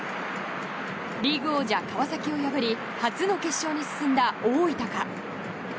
リーグ王者、川崎を破り初の決勝に進んだ大分か。